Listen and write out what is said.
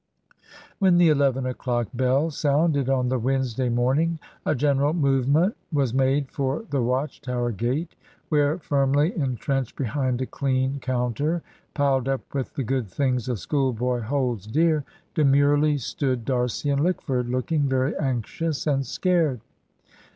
When the eleven o'clock bell sounded, on the Wednesday morning, a general movement was made for the Watch Tower Gate, where, firmly entrenched behind a clean counter piled up with the good things a schoolboy holds dear, demurely stood D'Arcy and Lickford, looking very anxious and scared.